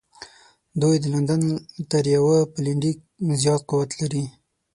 دوی د لندن تر یوه پلنډي زیات قوت لري.